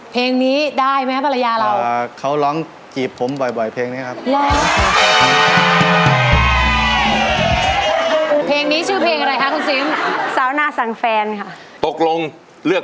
เพลงนี้ได้ไหมฮะปรายราเรา